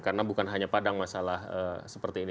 karena bukan hanya padang masalah seperti ini